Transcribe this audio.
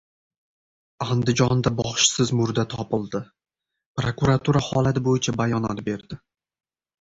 Andijonda boshsiz murda topildi. Prokuratura holat bo‘yicha bayonot berdi